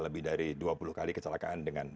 lebih dari dua puluh kali kecelakaan dengan